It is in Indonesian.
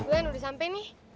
glenn udah sampai nih